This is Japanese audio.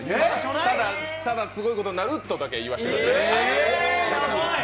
ただ、すごいことになるとだけ言わせてもらいます。